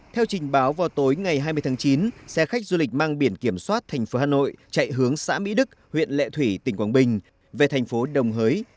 theo trình báo vào tối ngày hai mươi tháng chín xe khách du lịch mang biển kiểm soát thành phố hà nội chạy hướng xã mỹ đức huyện lệ thủy tỉnh quảng bình về thành phố đồng hới